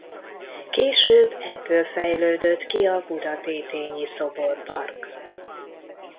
Később ebből fejlődött ki a Budatétényi szoborpark.